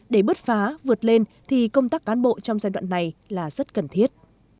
để bứt phá vượt lên thì công tác cán bộ trong giai đoạn này là rất cần thiết